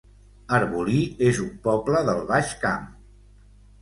Arbolí es un poble del Baix Camp